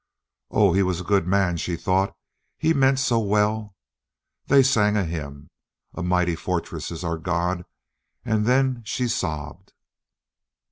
"Oh, he was a good man," she thought. "He meant so well." They sang a hymn, "A Mighty Fortress Is Our God," and then she sobbed.